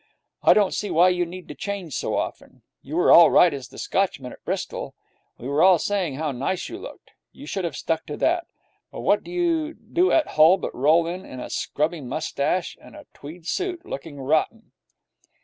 I don't see why you need to change so often. You were all right as the Scotchman at Bristol. We were all saying how nice you looked. You should have stuck to that. But what do you do at Hull but roll in in a scrubby moustache and a tweed suit, looking rotten.